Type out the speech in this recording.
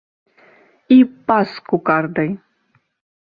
І пас з кукардай!